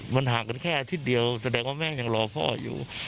มันห่างกันแค่อาทิตย์เดียวแสดงว่าแม่ยังรอพ่ออยู่